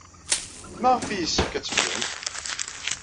Maɣef ay yessefk ad teqqlemt?